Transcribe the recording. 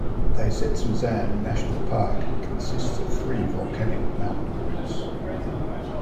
Daisetsuzan National Park consists of three volcanic mountain groups.